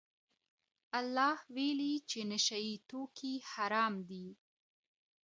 الله ویلي چې نشه یې توکي حرام دي.